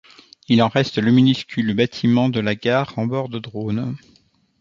Il en reste le minuscule bâtiment de la gare en bord de Dronne.